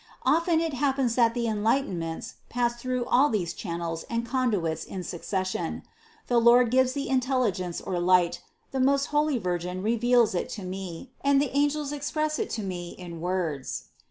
Often it happens that the enlightenments pass through all these channels and conduits in succession : the Lord gives the intelligence or light, the most holy Virgin reveals it to me and the angels express it to me in words.